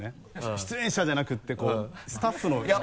出演者じゃなくってスタッフの１人。